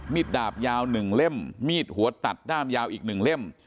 มีดดาบยาวหนึ่งเล่มมีดหัวตัดด้ามยาวอีกหนึ่งเล่ม